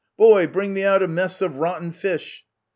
Boy, bring me out a mess of rotten fish